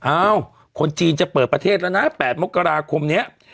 อ้าวคนจีนจะเปิดประเทศแล้วนะ๘มกราคมนี้